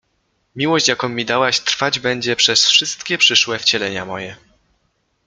Miłość, jaką mi dałaś, trwać będzie przez wszystkie przyszłe wcielenia moje.